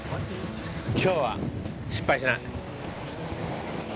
今日は失敗しない。